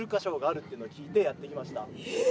っていうのを聞いてやって来ました。